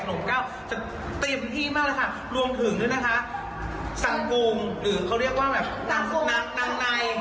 พวกเราพวกเราวลากระโกงแล้วเขาเรียกว่าเอ่อท่านกงคมไง